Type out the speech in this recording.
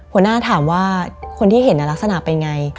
หัวหน้าถามว่าคนที่เห็นลักษณะเป็นไง